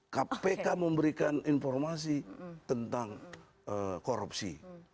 kpk memberikan informasi tentang korupsi